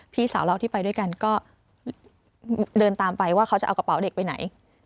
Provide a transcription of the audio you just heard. พี่สาวเราที่ไปด้วยกันก็เดินตามไปว่าเขาจะเอากระเป๋าเด็กไปไหน